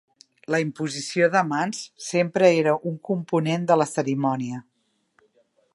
La imposició de mans sempre era un component de la cerimònia.